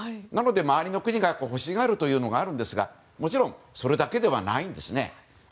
なので、周りの国が欲しがるというのがあるんですがもちろんそれだけではないんですね。